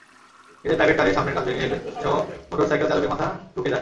এতে প্রাইভেট কারের সামনের কাচ ভেঙে হেলমেটসহ মোটরসাইকেল চালকের মাথা ঢুকে যায়।